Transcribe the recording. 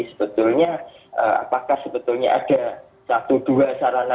sebetulnya apakah sebetulnya ada satu dua sarana